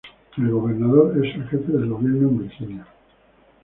El gobernador es el jefe del gobierno en Virginia.